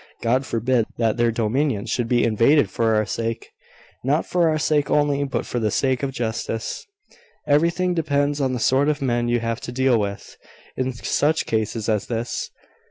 God forbid that their dominions should be invaded for our sake!" "Not for our sake only, but for the sake of justice." "Everything depends on the sort of men you have to deal with, in such cases as this.